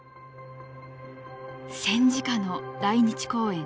戦時下の来日公演。